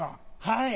はい。